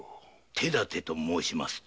「手だて」と申しますと？